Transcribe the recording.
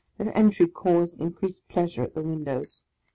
Their entry caused increased pleasure at the windows.